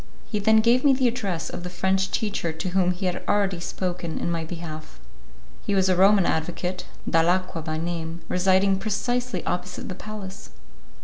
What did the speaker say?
He then gave me the address of the French teacher to whom he had already spoken in my behalf. He was a Roman advocate, Dalacqua by name, residing precisely opposite the palace.